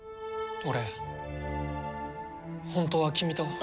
俺本当は君と。